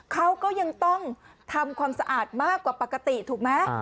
เขาก็ยังต้องทำความสะอาดมากกว่าปกติถูกไหม